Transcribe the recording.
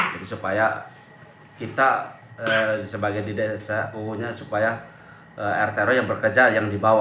jadi supaya kita sebagai di desa supaya rtrw yang berkejar yang dibawa